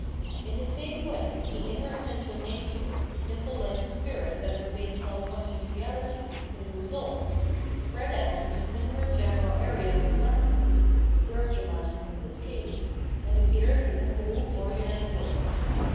In the same way the inner essential nature, the simple life of spirit that pervades self conscious reahty, is resolved, spread out mto similar general areas or masses, spiritual masses in this case, and appears as a whole organised world.